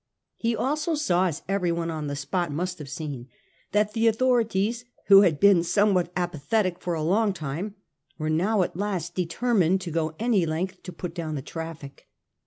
He also saw, as everyone on the spot must have seen, that the authorities, who had been somewhat apathetic for a long time, were now at last determined to go any lengths to put down the traffic.